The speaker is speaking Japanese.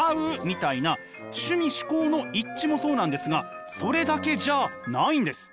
みたいな趣味嗜好の一致もそうなんですがそれだけじゃないんです！